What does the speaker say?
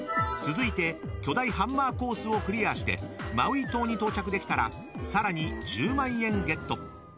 続いて巨大ハンマーコースをクリアしてマウイ島に到着できたら更に１０万円ゲット。